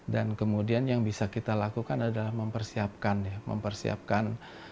dan kemudian yang bisa kita lakukan adalah mempersiapkan ya mempersiapkan